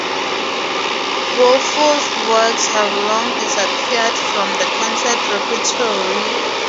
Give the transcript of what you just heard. Woelfl's works have long disappeared from the concert repertory.